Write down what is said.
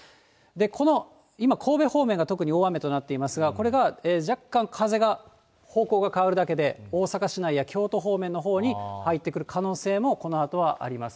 この、今、神戸方面が特に大雨となっていますが、これが若干風が方向が変わるだけで、大阪市内や京都方面のほうに入ってくる可能性も、このあとはあります。